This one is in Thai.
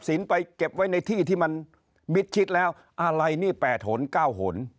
ไปเก็บไว้ในที่ที่มันมิดชิดแล้วอะไรนี่๘หน๙หน